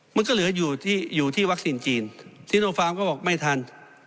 มันก็เหลืออยู่ที่อยู่ที่วัคซีนจีนซิโนฟาร์มก็บอกไม่ทัน